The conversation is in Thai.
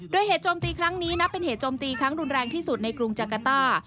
โดยเหตุโจมตีครั้งนี้นับเป็นเหตุโจมตีครั้งรุนแรงที่สุดในกรุงจักรต้า